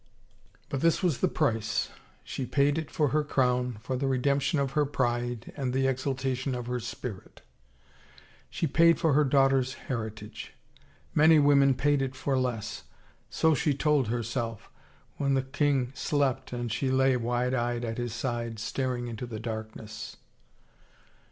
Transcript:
— But this was the price. She paid it for her crown, for the redemption of her pride and the exultation of her spirit. She paid for her daughter's heritage. Many women paid it for less. ... So she told herself when the king slept and she lay wide eyed at his side, staring into the darkness.